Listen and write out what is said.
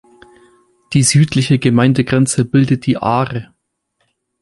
Die südliche Gemeindegrenze bildet die Aare.